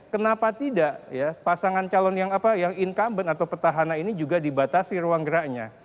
kenapa tidak ya pasangan calon yang incumbent atau petahana ini juga dibatasi ruang geraknya